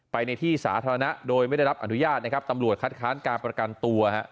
ในที่สาธารณะโดยไม่ได้รับอนุญาตนะครับตำรวจคัดค้านการประกันตัวฮะ